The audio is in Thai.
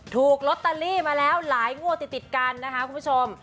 ถูกลอตเตอรี่มาแล้วหลายงวดติดกันนะคะคุณผู้ชม